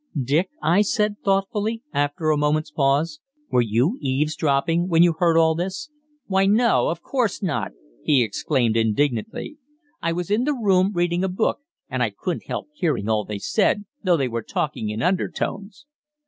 "Dick," I said thoughtfully, after a moment's pause, "were you eavesdropping when you heard all this?" "Why, no, of course not!" he exclaimed indignantly. "I was in the room, reading a book, and I couldn't help hearing all they said, though they were talking in undertones."